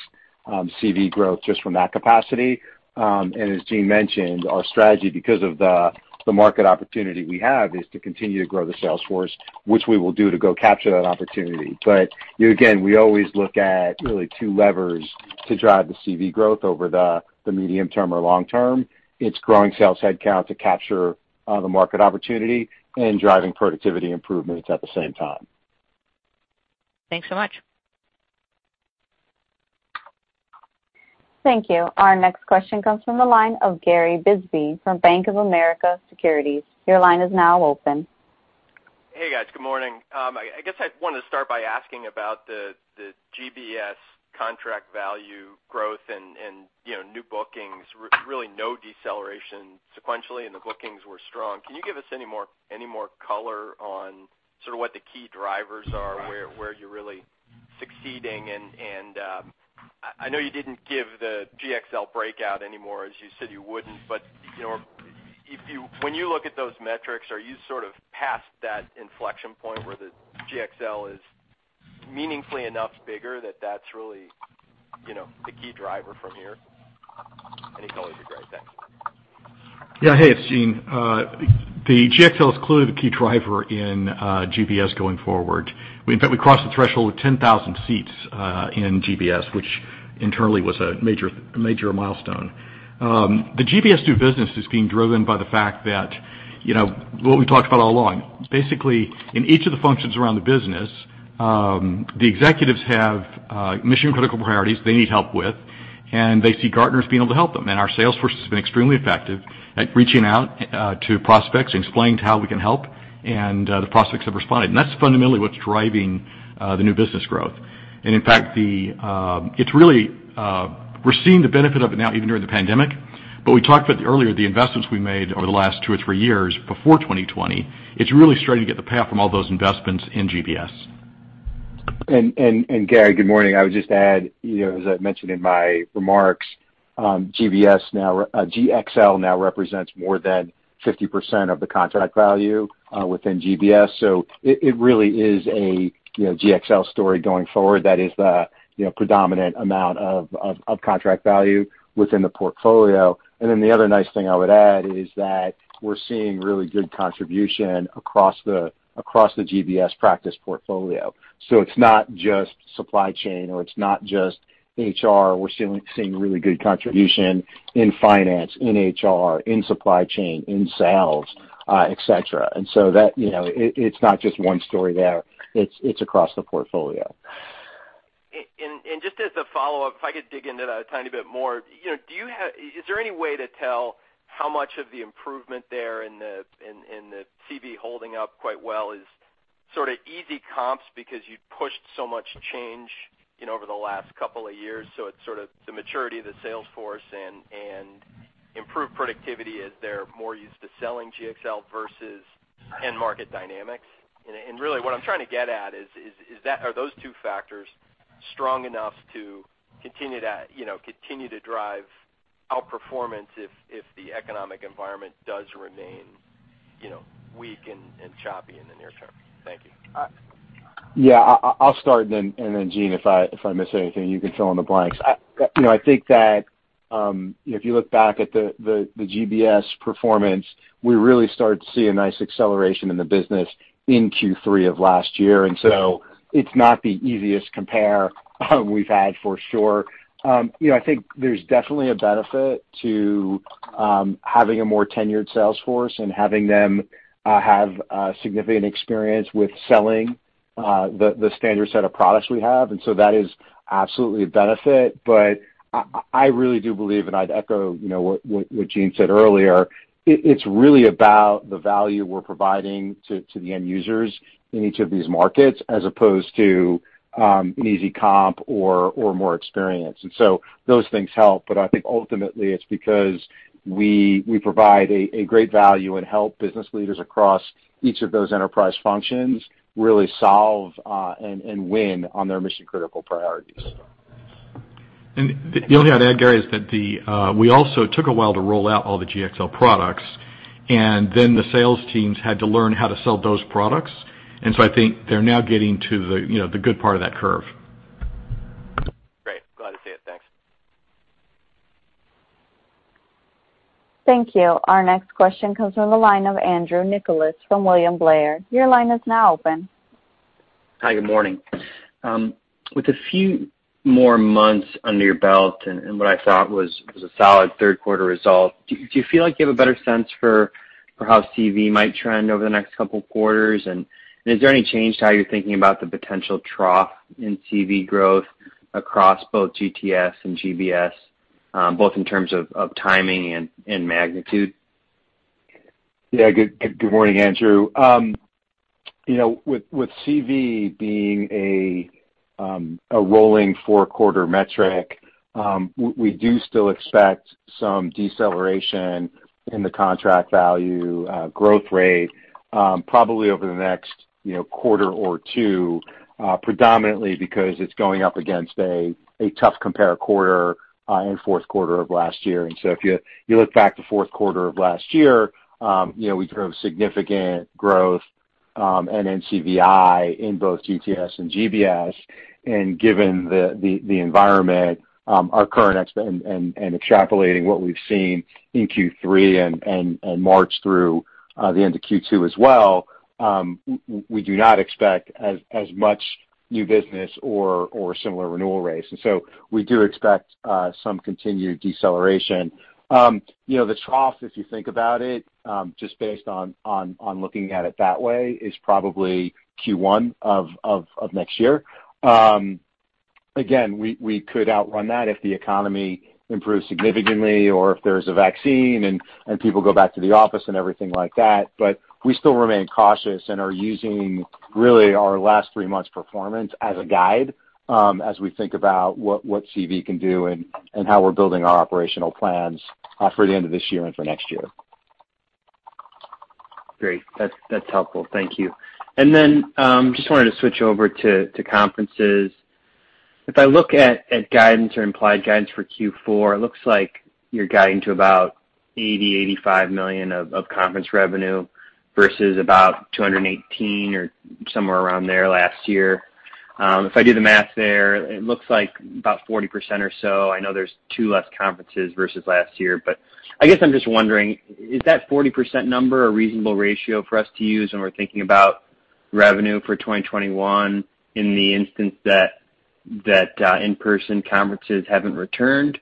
CV growth just from that capacity. As Gene mentioned, our strategy because of the market opportunity we have is to continue to grow the sales force, which we will do to go capture that opportunity. You again, we always look at really two levers to drive the CV growth over the medium term or long term. It's growing sales headcount to capture the market opportunity and driving productivity improvements at the same time. Thanks so much. Thank you. Our next question comes from the line of Gary Bisbee from Bank of America Securities. Your line is now open. Hey, guys. Good morning. I guess I wanted to start by asking about the GBS contract value growth and, you know, new bookings. Really no deceleration sequentially, and the bookings were strong. Can you give us any more color on sort of what the key drivers are, where you're really succeeding? I know you didn't give the GXL breakout anymore, as you said you wouldn't. You know, when you look at those metrics, are you sort of past that inflection point where the GXL is meaningfully enough bigger that that's really, you know, the key driver from here? It's always a great day. Yeah. Hey, it's Gene. The GXL is clearly the key driver in GBS going forward. In fact, we crossed the threshold of 10,000 seats in GBS, which internally was a major milestone. The GBS new business is being driven by the fact that, you know, what we talked about all along, basically, in each of the functions around the business, the executives have mission-critical priorities they need help with, and they see Gartner as being able to help them. Our sales force has been extremely effective at reaching out to prospects, explaining to how we can help, and the prospects have responded. That's fundamentally what's driving the new business growth. In fact, it's really we're seeing the benefit of it now, even during the pandemic. We talked about earlier the investments we made over the last two or three years before 2020. It's really starting to get the path from all those investments in GBS. Gary, good morning. I would just add, you know, as I mentioned in my remarks, GXL now represents more than 50% of the contract value within GBS. It really is a, you know, GXL story going forward that is the, you know, predominant amount of contract value within the portfolio. The other nice thing I would add is that we're seeing really good contribution across the GBS practice portfolio. It's not just supply chain, or it's not just HR. We're seeing really good contribution in finance, in HR, in supply chain, in sales, et cetera. That, you know, it's not just one story there. It's across the portfolio. Just as a follow-up, if I could dig into that tiny bit more. You know, is there any way to tell how much of the improvement there in the CV holding up quite well is sort of easy comps because you pushed so much change, you know, over the last couple of years, so it's sort of the maturity of the sales force and improved productivity as they're more used to selling GXL versus end market dynamics? Really, what I'm trying to get at is, are those two factors strong enough to continue to, you know, continue to drive outperformance if the economic environment does remain, you know, weak and choppy in the near term? Thank you. Yeah. I'll start and then Gene, if I miss anything, you can fill in the blanks. I, you know, I think that, you know, if you look back at the GBS performance, we really started to see a nice acceleration in the business in Q3 of last year. It's not the easiest compare we've had for sure. You know, I think there's definitely a benefit to having a more tenured sales force and having them have significant experience with selling the standard set of products we have. That is absolutely a benefit. I really do believe, and I'd echo, you know, what Gene said earlier, it's really about the value we're providing to the end users in each of these markets as opposed to an easy comp or more experience. Those things help, but I think ultimately it's because we provide a great value and help business leaders across each of those enterprise functions really solve and win on their mission-critical priorities. The only thing I'd add, Gary, is that the we also took a while to roll out all the GXL products, and then the sales teams had to learn how to sell those products. I think they're now getting to the, you know, the good part of that curve. Great. Glad to see it. Thanks. Thank you. Our next question comes from the line of Andrew Nicholas from William Blair. Your line is now open. Hi, good morning. With a few more months under your belt and what I thought was a solid third quarter result, do you feel like you have a better sense for how CV might trend over the next couple quarters? Is there any change to how you're thinking about the potential trough in CV growth across both GTS and GBS, both in terms of timing and magnitude? Yeah. Good morning, Andrew. You know, with CV being a rolling four-quarter metric, we do still expect some deceleration in the contract value growth rate, probably over the next, you know, quarter or two, predominantly because it's going up against a tough compare quarter in fourth quarter of last year. If you look back to fourth quarter of last year, you know, we drove significant growth and then NCVI in both GTS and GBS. Given the environment, our current and extrapolating what we've seen in Q3 and March through the end of Q2 as well, we do not expect as much new business or similar renewal rates. We do expect some continued deceleration. You know, the trough, if you think about it, just based on looking at it that way, is probably Q1 of next year. Again, we could outrun that if the economy improves significantly or if there's a vaccine and people go back to the office and everything like that. We still remain cautious and are using really our last three months' performance as a guide, as we think about what CV can do and how we're building our operational plans, for the end of this year and for next year. Great. That's helpful. Thank you. Then, just wanted to switch over to conferences. If I look at guidance or implied guidance for Q4, it looks like you're guiding to about $80 million-$85 million of conference revenue versus about $218 million or somewhere around there last year. If I do the math there, it looks like about 40% or so. I know there's two less conferences versus last year. I guess I'm just wondering, is that 40% number a reasonable ratio for us to use when we're thinking about revenue for 2021 in the instance that in-person conferences haven't returned?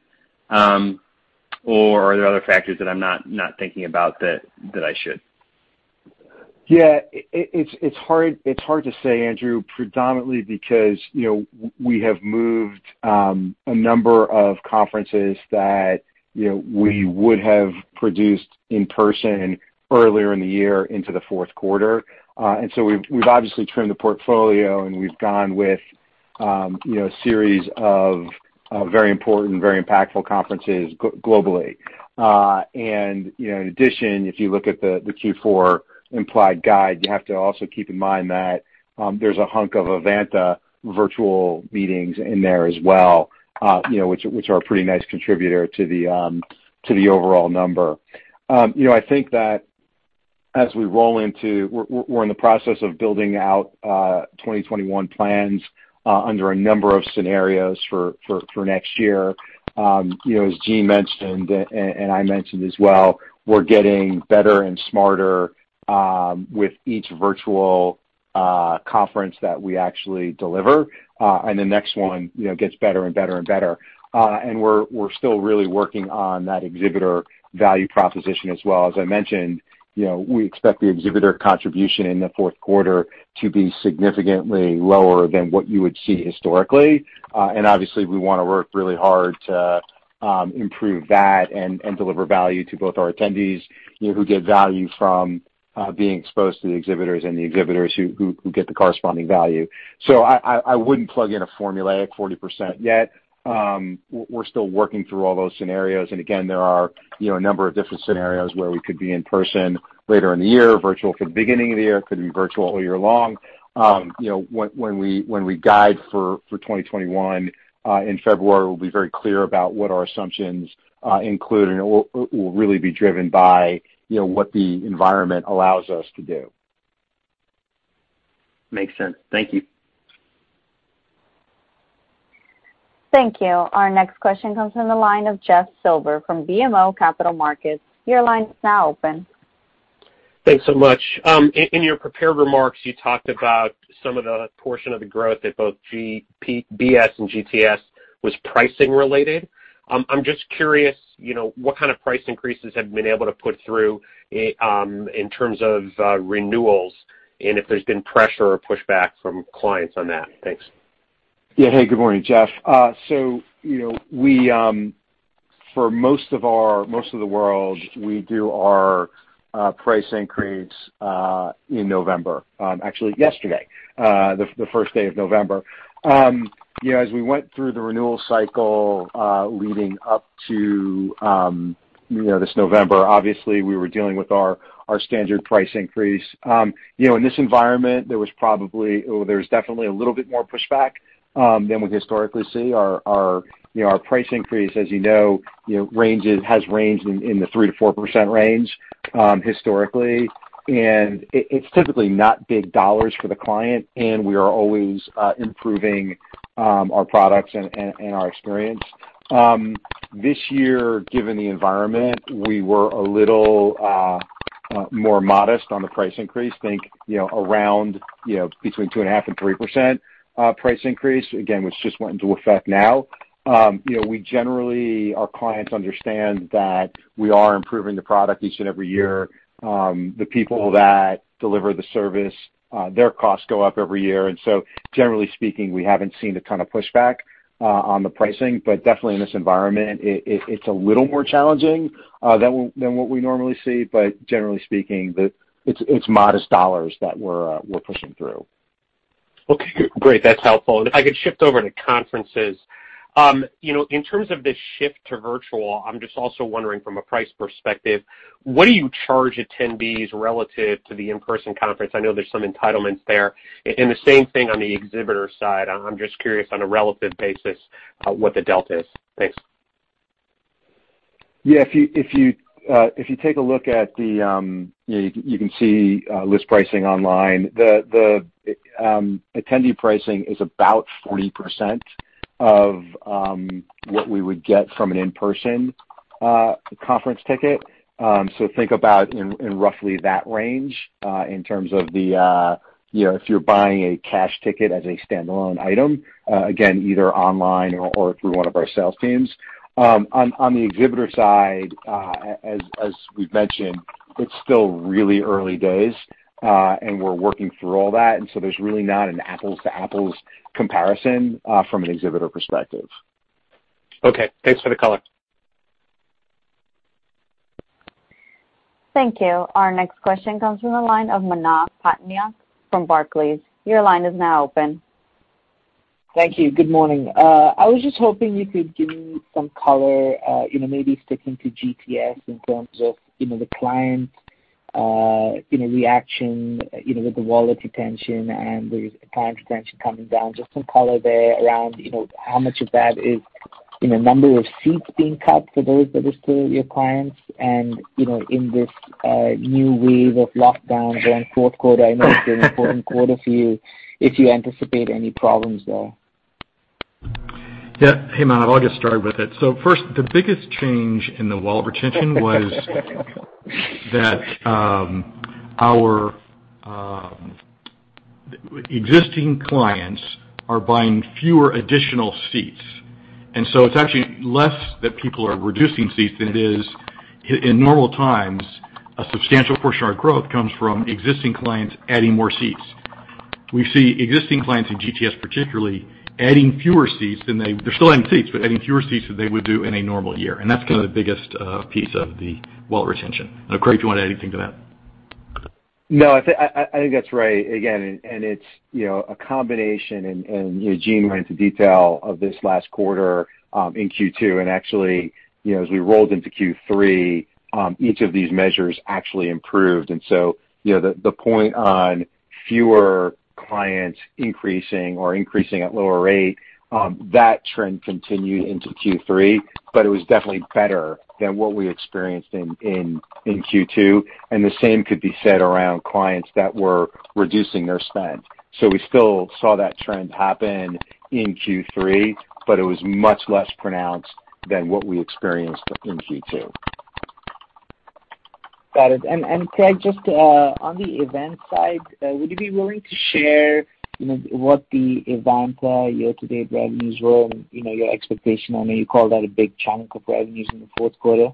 Are there other factors that I'm not thinking about that I should? It's hard to say, Andrew, predominantly because, you know, we have moved a number of conferences that, you know, we would have produced in person earlier in the year into the fourth quarter. We've obviously trimmed the portfolio, and we've gone with, you know, a series of very important and very impactful conferences globally. You know, in addition, if you look at the Q4 implied guide, you have to also keep in mind that there's a hunk of Evanta virtual meetings in there as well, you know, which are a pretty nice contributor to the overall number. You know, I think that as we roll into, we're in the process of building out 2021 plans under a number of scenarios for next year. You know, as Gene mentioned, and I mentioned as well, we're getting better and smarter with each virtual conference that we actually deliver, and the next one, you know, gets better and better and better. We're still really working on that exhibitor value proposition as well. As I mentioned, you know, we expect the exhibitor contribution in the fourth quarter to be significantly lower than what you would see historically. Obviously, we wanna work really hard to improve that and deliver value to both our attendees, you know, who get value from being exposed to the exhibitors and the exhibitors who get the corresponding value. I wouldn't plug in a formulaic 40% yet. We're still working through all those scenarios. Again, there are, you know, a number of different scenarios where we could be in person later in the year, virtual could beginning of the year, could be virtual all year long. You know, when we guide for 2021 in February, we'll be very clear about what our assumptions include, and it will really be driven by, you know, what the environment allows us to do. Makes sense. Thank you. Thank you. Our next question comes from the line of Jeff Silber from BMO Capital Markets. Your line is now open. Thanks so much. In your prepared remarks, you talked about some of the portion of the growth at both GBS and GTS was pricing related. I'm just curious, you know, what kind of price increases have you been able to put through in terms of renewals, and if there's been pressure or pushback from clients on that? Thanks. Yeah. Hey, good morning, Jeff. You know, we, for most of the world, we do our price increase in November, actually yesterday, the first day of November. You know, as we went through the renewal cycle leading up to, you know, this November, obviously, we were dealing with our standard price increase. You know, in this environment, there was definitely a little bit more pushback than we historically see. Our, you know, our price increase, as you know, has ranged in the 3%-4% range historically, and it's typically not big dollars for the client, and we are always improving our products and our experience. This year, given the environment, we were a little more modest on the price increase. Think, around, between 2.5% and 3% price increase, again, which just went into effect now. We generally our clients understand that we are improving the product each and every year. The people that deliver the service, their costs go up every year. Generally speaking, we haven't seen a ton of pushback on the pricing. Definitely in this environment, it's a little more challenging than what we normally see. Generally speaking, it's modest dollars that we're pushing through. Okay, great. That's helpful. If I could shift over to conferences. you know, in terms of the shift to virtual, I'm just also wondering from a price perspective, what do you charge attendees relative to the in-person conference? I know there's some entitlements there. The same thing on the exhibitor side. I'm just curious on a relative basis, what the delta is. Thanks. If you take a look at the, you can see list pricing online. The attendee pricing is about 40% of what we would get from an in-person conference ticket. Think about in roughly that range in terms of the, you know, if you're buying a cash ticket as a standalone item, again, either online or through one of our sales teams. On the exhibitor side, as we've mentioned, it's still really early days, we're working through all that. There's really not an apples to apples comparison from an exhibitor perspective. Okay. Thanks for the color. Thank you. Our next question comes from the line of Manav Patnaik from Barclays. Your line is now open. Thank you. Good morning. I was just hoping you could give me some color, you know, maybe sticking to GTS in terms of, you know, the client, you know, reaction, you know, with the wallet retention and the client retention coming down. Just some color there around, you know, how much of that is, you know, number of seats being cut for those that are still your clients. You know, in this new wave of lockdowns going into fourth quarter, I know it's an important quarter for you, if you anticipate any problems there. Yeah. Hey, Manav, I'll get started with it. First, the biggest change in the wallet retention was that our existing clients are buying fewer additional seats. It's actually less that people are reducing seats than it is In normal times, a substantial portion of our growth comes from existing clients adding more seats. We see existing clients in GTS, particularly, adding fewer seats than they They're still adding seats, but adding fewer seats than they would do in a normal year, and that's kind of the biggest piece of the wallet retention. Craig, do you wanna add anything to that? No, I think that's right. Again, it's, you know, a combination, and, you know, Gene went into detail of this last quarter in Q2. Actually, you know, as we rolled into Q3, each of these measures actually improved. You know, the point on fewer clients increasing or increasing at lower rate, that trend continued into Q3, but it was definitely better than what we experienced in Q2, and the same could be said around clients that were reducing their spend. We still saw that trend happen in Q3, but it was much less pronounced than what we experienced in Q2. Got it. Craig, just on the event side, would you be willing to share, you know, what the event year-to-date revenues were and, you know, your expectation? I know you called that a big chunk of revenues in the fourth quarter.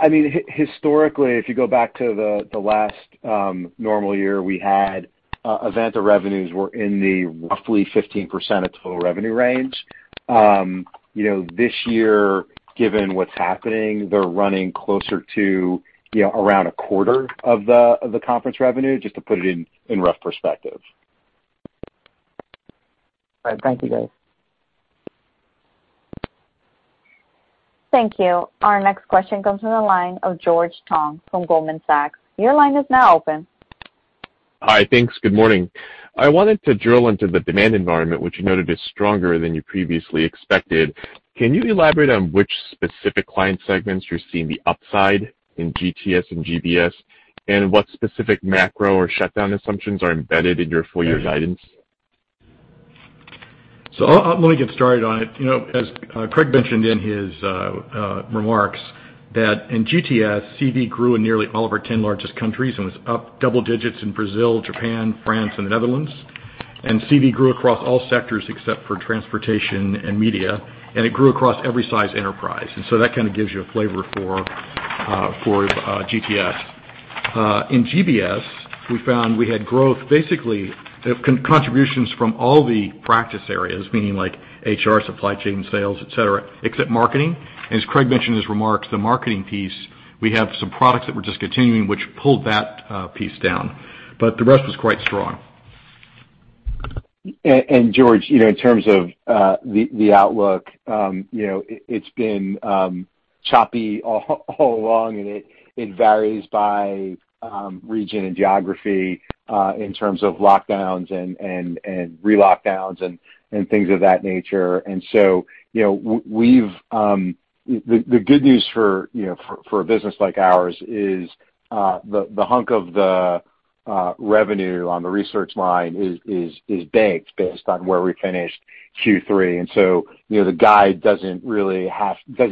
I mean, historically, if you go back to the last normal year we had, event revenues were in the roughly 15% of total revenue range. You know, this year, given what's happening, they're running closer to, you know, around a quarter of the conference revenue, just to put it in rough perspective. All right. Thank you, guys. Thank you. Our next question comes from the line of George Tong from Goldman Sachs. Your line is now open. Hi. Thanks. Good morning. I wanted to drill into the demand environment, which you noted is stronger than you previously expected. Can you elaborate on which specific client segments you're seeing the upside in GTS and GBS, and what specific macro or shutdown assumptions are embedded in your full year's guidance? I'll, let me get started on it. You know, as Craig mentioned in his remarks that in GTS, CV grew in nearly all of our 10 largest countries and was up double-digits in Brazil, Japan, France, and the Netherlands. CV grew across all sectors except for transportation and media, and it grew across every size enterprise. That kind of gives you a flavor for GTS. In GBS, we found we had growth basically of contributions from all the practice areas, meaning like HR, supply chain sales, et cetera, except marketing. As Craig mentioned in his remarks, the marketing piece, we have some products that we're discontinuing which pulled that piece down, but the rest was quite strong. George, you know, in terms of the outlook, you know, it's been choppy all along, and it varies by region and geography in terms of lockdowns and re-lockdowns and things of that nature. The good news for, you know, for a business like ours is the hunk of the revenue on the research line is baked based on where we finished Q3. You know, the guide doesn't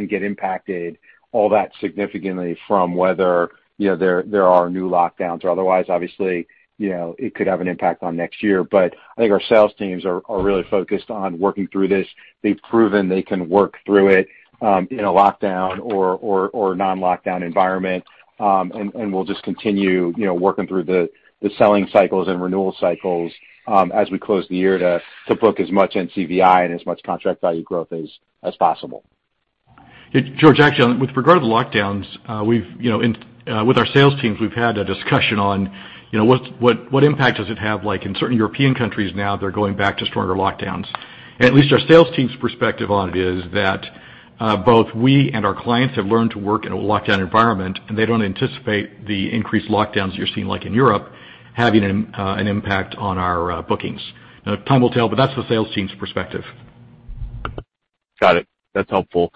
get impacted all that significantly from whether, you know, there are new lockdowns or otherwise. Obviously, you know, it could have an impact on next year. I think our sales teams are really focused on working through this. They've proven they can work through it, in a lockdown or non-lockdown environment. We'll just continue, you know, working through the selling cycles and renewal cycles, as we close the year to book as much NCVI and as much contract value growth as possible. George, actually with regard to the lockdowns, we've, you know, in With our sales teams, we've had a discussion on, you know, what impact does it have like in certain European countries now that are going back to stronger lockdowns. At least our sales team's perspective on it is that both we and our clients have learned to work in a lockdown environment, and they don't anticipate the increased lockdowns you're seeing, like in Europe, having an impact on our bookings. Time will tell, but that's the sales team's perspective. Got it. That's helpful.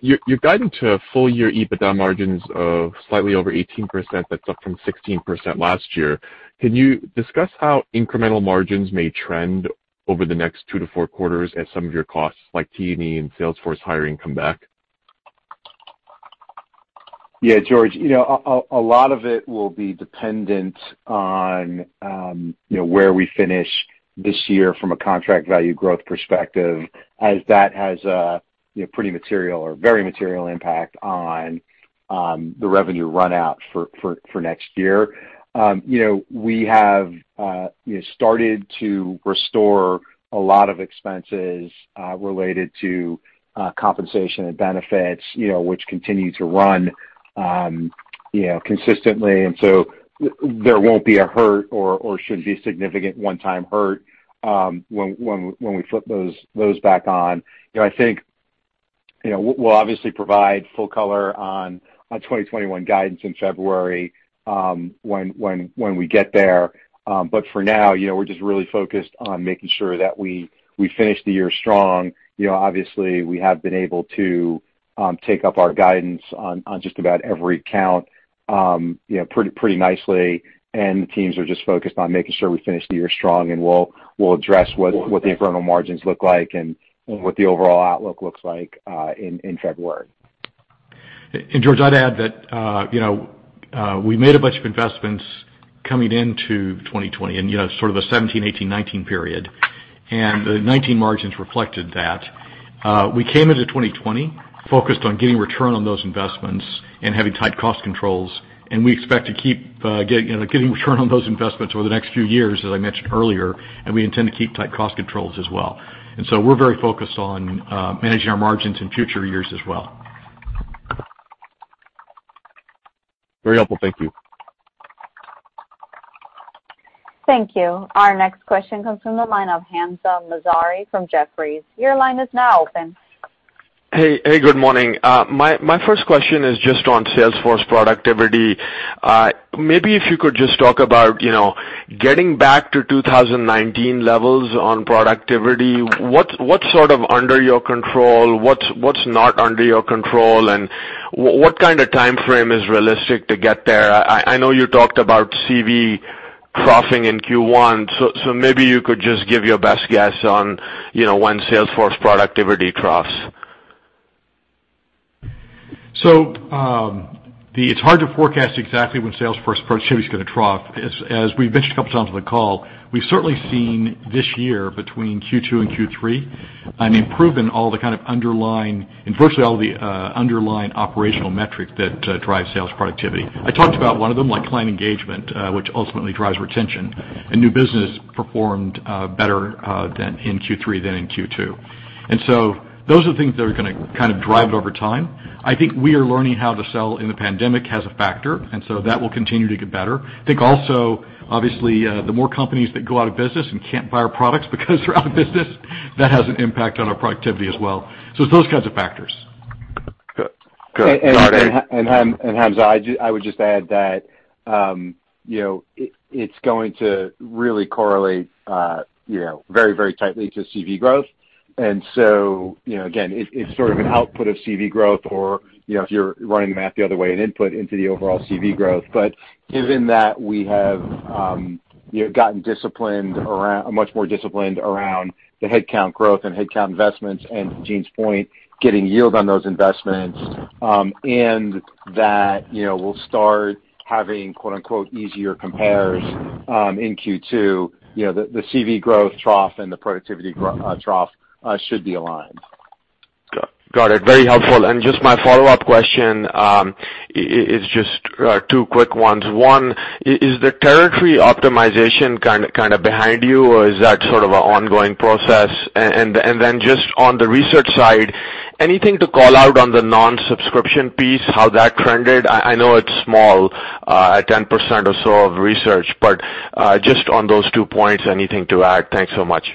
Your guidance to full year EBITDA margins of slightly over 18%, that's up from 16% last year. Can you discuss how incremental margins may trend over the next two to four quarters as some of your costs, like T&E and sales force hiring, come back? Yeah, George, lot of it will be dependent on where we finish this year from a contract value growth perspective, as that has a pretty material or very material impact on the revenue run out for next year. We have started to restore a lot of expenses related to compensation and benefits, which continue to run consistently. There won't be a hurt or shouldn't be significant one-time hurt when we flip those back on. I think we'll obviously provide full color on 2021 guidance in February when we get there. For now, you know, we're just really focused on making sure that we finish the year strong. You know, obviously, we have been able to take up our guidance on just about every count, you know, pretty nicely, and the teams are just focused on making sure we finish the year strong, and we'll address what the incremental margins look like and what the overall outlook looks like in February. George, I'd add that, you know, we made a bunch of investments coming into 2020 and, you know, sort of the 2017, 2018, 2019 period, and the 2019 margins reflected that. We came into 2020 focused on getting return on those investments and having tight cost controls, and we expect to keep getting return on those investments over the next few years, as I mentioned earlier, and we intend to keep tight cost controls as well. We're very focused on managing our margins in future years as well. Very helpful. Thank you. Thank you. Our next question comes from the line of Hamzah Mazari from Jefferies. Your line is now open. Hey, good morning. My first question is just on sales force productivity. Maybe if you could just talk about, you know, getting back to 2019 levels on productivity, what's sort of under your control? What's not under your control? What kind of timeframe is realistic to get there? I know you talked about NCVI troughing in Q1. Maybe you could just give your best guess on, you know, when sales force productivity troughs. It's hard to forecast exactly when sales force productivity is gonna trough. As we've mentioned a couple times on the call, we've certainly seen this year between Q2 and Q3, improvement in all the kind of underlying, virtually all the, underlying operational metrics that drive sales productivity. I talked about one of them, like client engagement, which ultimately drives retention and new business performed better than in Q3 than in Q2. Those are the things that are gonna kind of drive it over time. I think we are learning how to sell in the pandemic has a factor, that will continue to get better. I think also, obviously, the more companies that go out of business and can't buy our products because they're out of business, that has an impact on our productivity as well. It's those kinds of factors. Good. Good. Got it. Hamzah, I would just add that, you know, it's going to really correlate, you know, very, very tightly to CV growth. You know, again, it's sort of an output of CV growth or, you know, if you're running the math the other way, an input into the overall CV growth. Given that we have, you know, gotten disciplined around, much more disciplined around the headcount growth and headcount investments, and to Gene's point, getting yield on those investments, and that, you know, we'll start having quote-unquote, easier compares, in Q2, you know, the CV growth trough and the productivity trough should be aligned. Got it. Very helpful. Just my follow-up question is just two quick ones. One, is the territory optimization kind of behind you or is that sort of an ongoing process? Then just on the research side, anything to call out on the non-subscription piece, how that trended? I know it's small, at 10% or so of research, but just on those two points, anything to add? Thanks so much.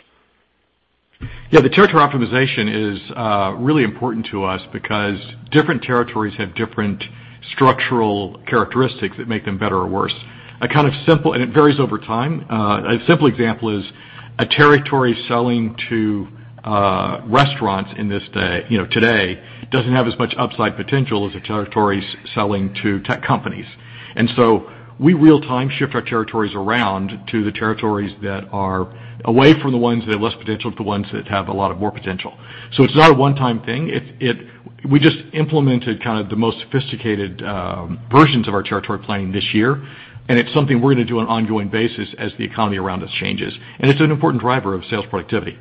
Yeah, the territory optimization is really important to us because different territories have different structural characteristics that make them better or worse. It varies over time. A simple example is a territory selling to restaurants in this day, you know, today, doesn't have as much upside potential as a territory selling to tech companies. We real-time shift our territories around to the territories that are away from the ones that have less potential to the ones that have a lot of more potential. It's not a one-time thing. We just implemented kind of the most sophisticated versions of our territory planning this year, and it's something we're gonna do on an ongoing basis as the economy around us changes. It's an important driver of sales productivity.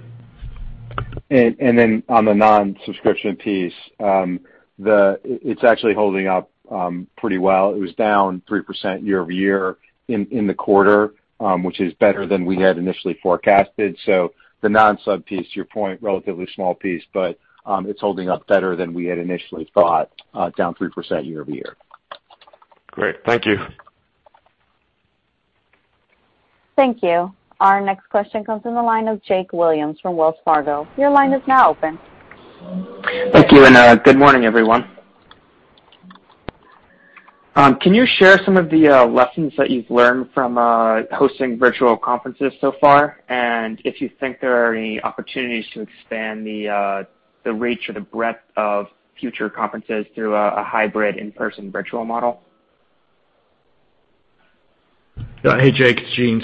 On the non-subscription piece, it's actually holding up pretty well. It was down 3% year-over-year in the quarter, which is better than we had initially forecasted. The non-sub piece, to your point, relatively small piece, but it's holding up better than we had initially thought, down 3% year-over-year. Great. Thank you. Thank you. Our next question comes from the line of Jake Williams from Wells Fargo. Your line is now open. Thank you, and good morning, everyone. Can you share some of the lessons that you've learned from hosting virtual conferences so far? If you think there are any opportunities to expand the reach or the breadth of future conferences through a hybrid in-person virtual model? Hey, Jake. It's Gene.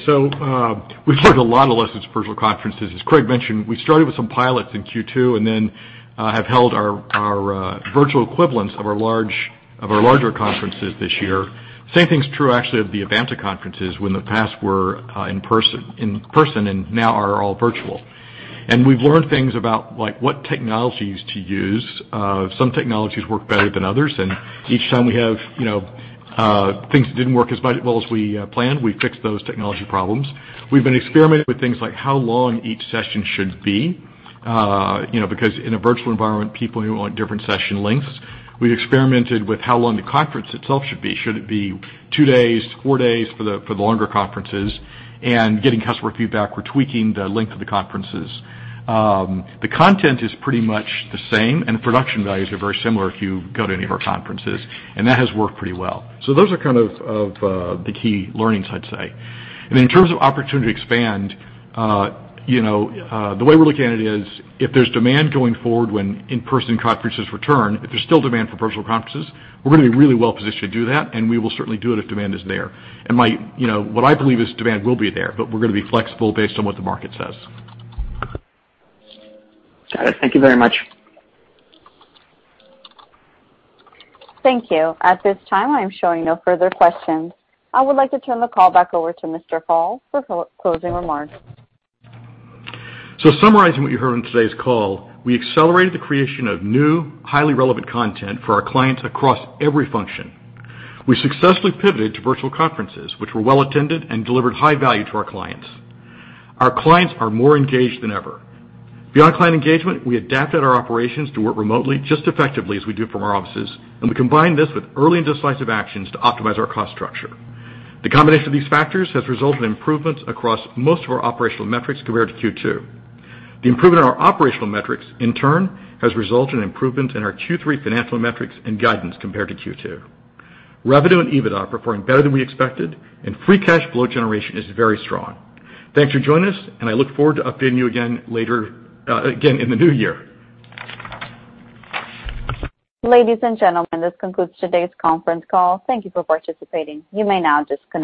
We've learned a lot of lessons virtual conferences. As Craig mentioned, we started with some pilots in Q2 and then have held our virtual equivalents of our larger conferences this year. Same thing's true actually of the Evanta conferences in the past were in person and now are all virtual. We've learned things about like what technologies to use. Some technologies work better than others, and each time we have, you know, things that didn't work as well as we planned, we fixed those technology problems. We've been experimenting with things like how long each session should be. You know, because in a virtual environment, people who want different session lengths. We've experimented with how long the conference itself should be. Should it be two days, four days for the longer conferences? Getting customer feedback, we're tweaking the length of the conferences. The content is pretty much the same, and the production values are very similar if you go to any of our conferences, and that has worked pretty well. Those are kind of the key learnings, I'd say. In terms of opportunity to expand, you know, the way we're looking at it is if there's demand going forward when in-person conferences return, if there's still demand for personal conferences, we're gonna be really well-positioned to do that, and we will certainly do it if demand is there. My, you know, what I believe is demand will be there, but we're gonna be flexible based on what the market says. Got it. Thank you very much. Thank you. At this time, I am showing no further questions. I would like to turn the call back over to Mr. Hall for closing remarks. Summarizing what you heard on today's call, we accelerated the creation of new, highly relevant content for our clients across every function. We successfully pivoted to virtual conferences, which were well-attended and delivered high value to our clients. Our clients are more engaged than ever. Beyond client engagement, we adapted our operations to work remotely just effectively as we do from our offices, and we combined this with early and decisive actions to optimize our cost structure. The combination of these factors has resulted in improvements across most of our operational metrics compared to Q2. The improvement in our operational metrics, in turn, has resulted in improvements in our Q3 financial metrics and guidance compared to Q2. Revenue and EBITDA are performing better than we expected, and free cash flow generation is very strong. Thanks for joining us, and I look forward to updating you again later, again in the new year. Ladies and gentlemen, this concludes today's conference call. Thank you for participating. You may now disconnect.